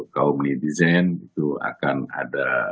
kaum netizen itu akan ada